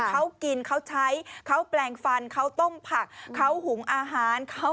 เขากินเขาใช้เขาแปลงฟันเขาต้มผักเขาหุงอาหาร